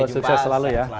sukses selalu ya